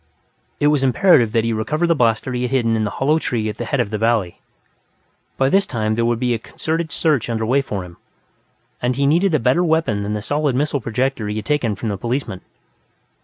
It was imperative that he recover the blaster he had hidden in the hollow tree at the head of the valley. By this time, there would be a concerted search under way for him, and he needed a better weapon than the solid missile projector he had taken from the policeman.